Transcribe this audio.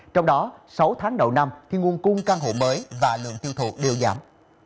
trong đó sáu tháng đầu năm thì nguồn cung căn hộ mới và lượng tiêu thụ đều giảm